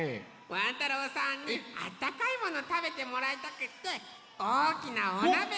ワン太郎さんにあったかいものたべてもらいたくっておおきなおなべでもってきたよ！